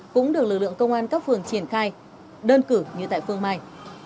cũng được lực lượng công an các phường triển khai đơn cử như tại phương mai